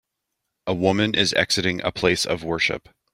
A woman is exiting a place of worship.